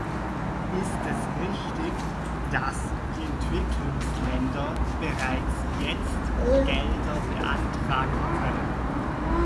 Ist es richtig, dass die Entwicklungsländer bereits jetzt Gelder beantragen können?